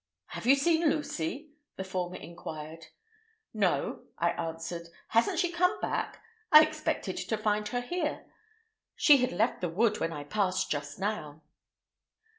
"Have you seen Lucy?" the former inquired. "No," I answered. "Hasn't she come back? I expected to find her here. She had left the wood when I passed just now."